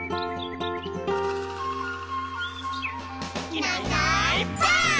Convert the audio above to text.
「いないいないばあっ！」